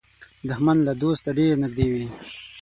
دښمن له دوسته ډېر نږدې وي